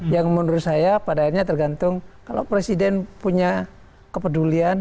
yang menurut saya pada akhirnya tergantung kalau presiden punya kepedulian